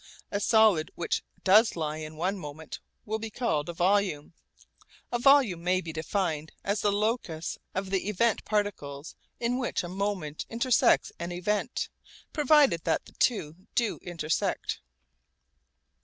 A solid which does lie in one moment will be called a volume. A volume may be defined as the locus of the event particles in which a moment intersects an event, provided that the two do intersect.